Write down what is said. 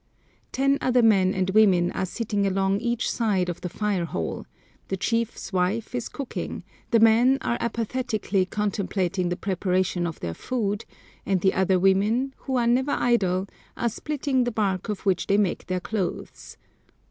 Ten other men and women are sitting along each side of the fire hole, the chief's wife is cooking, the men are apathetically contemplating the preparation of their food; and the other women, who are never idle, are splitting the bark of which they make their clothes.